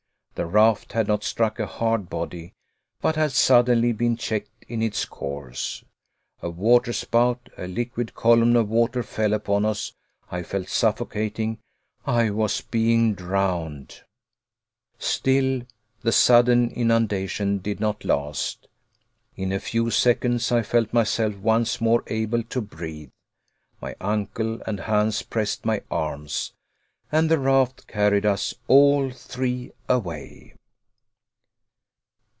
The raft had not struck a hard body, but had suddenly been checked in its course. A waterspout, a liquid column of water, fell upon us. I felt suffocating. I was being drowned. Still the sudden inundation did not last. In a few seconds I felt myself once more able to breathe. My uncle and Hans pressed my arms, and the raft carried us all three away.